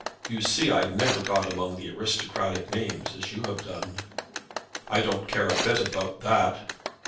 You see I never got among the aristocratic names, as you have done." "I don't care a bit about that."